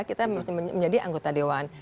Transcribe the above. kita menjadi anggota dewan